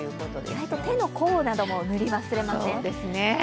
意外と手の甲なども塗り忘れません？